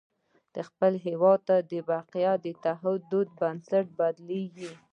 د خپل هېواد د بقا د تعهد بنسټ یې بدلېږي.